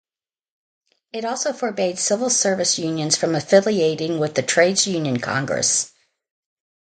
It also forbade civil service unions from affiliating with the Trades Union Congress.